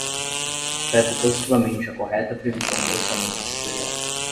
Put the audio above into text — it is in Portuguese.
Afeta positivamente a correta previsão do orçamento setorial.